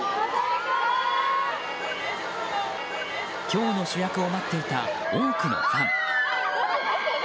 今日の主役を待っていた多くのファン。